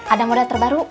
ada model terbaru